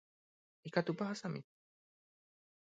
Ikatúpa ahasami